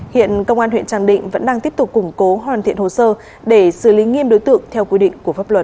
hiện công an huyện tràng định vẫn đang tiếp tục củng cố hoàn thiện hồ sơ để xử lý nghiêm đối tượng theo quy định của pháp luật